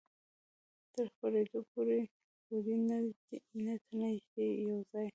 تر خپرېدو پورې یوډین ته نږدې یو ځای.